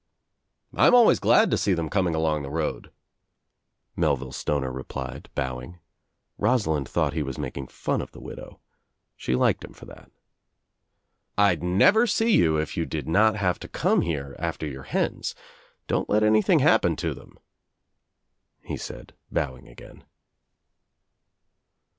"I am always glad to see them coming along the road," Mel ville Stoner replied, bowing. Rosalind thought he was making fun of the widow. She liked him for that. "I'd never see you If you did not have to come here after your hens. Don't let anything happen to them," he said, bowing again.